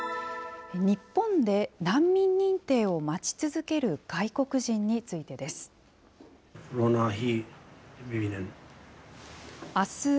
日本で難民認定を待ち続ける外国人についてです。